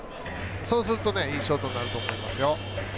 そうすると、いいショートになると思いますよ。